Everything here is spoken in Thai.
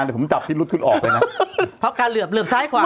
เดี๋ยวผมจับพิรุษขึ้นออกเลยนะเพราะการเหลือบเหลือบซ้ายขวา